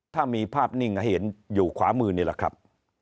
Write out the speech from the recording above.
ถ้ามีภาพนิ่งให้เห็นอยู่ขวามือนี่แหละครับ